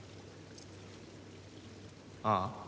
ああ？